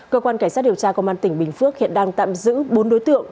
cơ quan cảnh sát điều tra công an tỉnh bình phước hiện đang tạm giữ bốn đối tượng